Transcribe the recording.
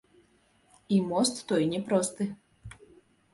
І мост той не просты.